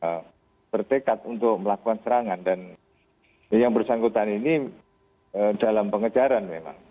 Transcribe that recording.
mereka bertekad untuk melakukan serangan dan yang bersangkutan ini dalam pengejaran memang